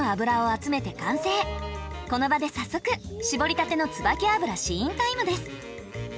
この場で早速搾りたてのつばき油試飲タイムです。